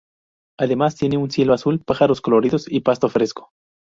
Además, tiene un cielo azul, pájaros coloridos y pasto fresco.